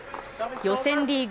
予選リーグ